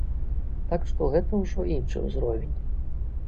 Так што гэта ўжо іншы ўзровень.